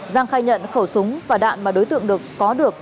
giang khai nhận khẩu súng và đạn mà đối tượng có được